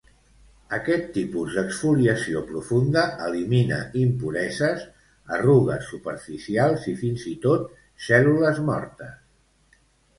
Aquest tipus d'exfoliació profunda elimina impureses, arrugues superficials i fins i tot cèl·lules mortes.